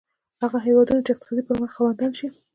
هغه هېوادونه چې اقتصادي پرمختګ خاوندان شي.